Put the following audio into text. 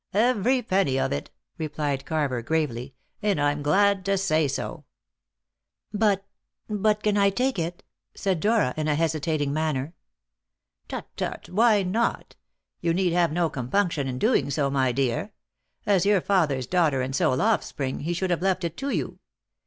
"Every penny of it," replied Carver gravely; "and I'm glad to say so." "But but can I take it?" said Dora in a hesitating manner. "Tut, tut! Why not? You need have no compunction in doing so, my dear. As your father's daughter and sole offspring, he should have left it to you.